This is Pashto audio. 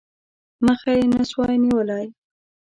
مخه یې نه سوای نیولای.